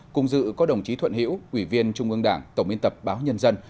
cùng dự có đồng chí thuận hiễu quỷ viên trung ương đảng tổng biên tập báo nhân dân